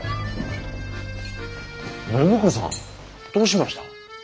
暢子さんどうしました？